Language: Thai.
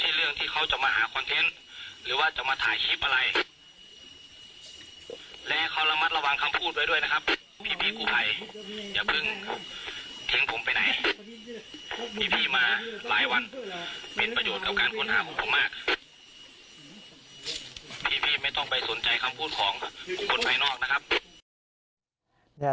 พี่ไม่ต้องไปสนใจคำพูดของผมค้นหาไปนอกนะครับ